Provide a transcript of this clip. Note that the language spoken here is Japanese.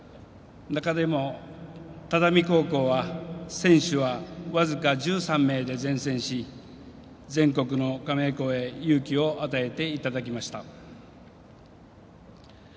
中でも只見高校は選手は僅か１３名で善戦し全国の加盟校へ勇気を与えていただきました。